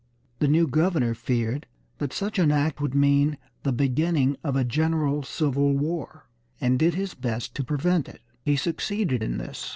The new governor feared that such an act would mean the beginning of a general civil war, and did his best to prevent it. He succeeded in this.